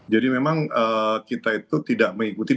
jadi memang kita itu tidak mengikuti